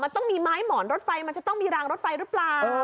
มันต้องมีไม้หมอนรถไฟมันจะต้องมีรางรถไฟหรือเปล่า